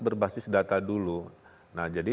berbasis data dulu nah jadi